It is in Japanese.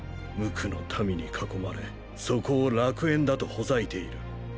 無垢の民に囲まれそこを楽園だとほざいている。